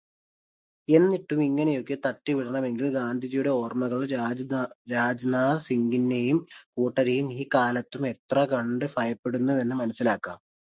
എന്നിട്ടും ഇങ്ങനെയൊക്കെ തട്ടിവിടണമെങ്കിൽ ഗാന്ധിജിയുടെ ഓർമ്മകൾ രാജ്നാഥ് സിംഗിനെയും കൂട്ടരെയും ഈ കാലത്തും എത്രകണ്ട് ഭയപ്പെടുത്തുന്നുവെന്ന് മനസിലാക്കാം.